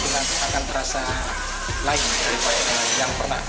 dan akan terasa lain dari banyak yang pernah ada